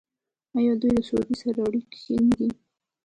آیا دوی له سعودي سره اړیکې ښې نه کړې؟